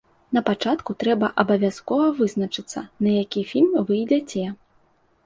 Напачатку трэба абавязкова вызначыцца, на які фільм вы ідзяце.